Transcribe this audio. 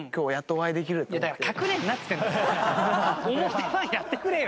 表ファンやってくれよ。